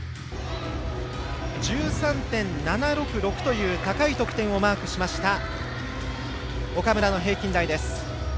１３．７６６という高い得点をマークした岡村の平均台です。